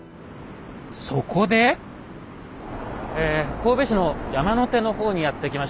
神戸市の山の手の方にやって来ました。